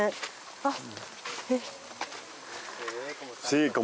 あっ。